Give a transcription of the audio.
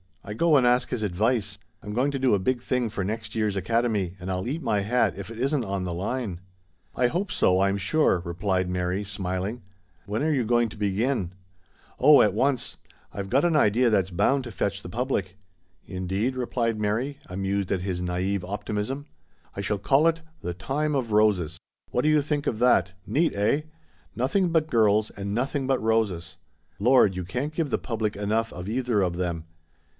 I go and ask his ad vice. I'm going to do a big thing for next year's Academy, and I'll eat my hat if it isn't on the line !"" I hope so, I'm sure," replied Mary, smil ing. " When are you going to begin ?"" At once. I've got an idea that's bound to fetch the public." "Indeed?" replied Mary, amused at his naive optimism. "I shall call it 'The Time of Roses.' What do you think of that ? Neat, eh ? Nothing but girls, and nothing but roses. Lord, you can't give the public enough of either of them.